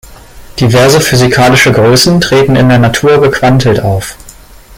Diverse physikalische Größen treten in der Natur gequantelt auf.